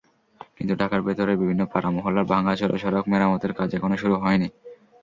কিন্তু ঢাকার ভেতরের বিভিন্ন পাড়া–মহল্লার ভাঙাচোরা সড়ক মেরামতের কাজ এখনো শুরু হয়নি।